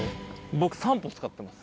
僕３歩使ってます。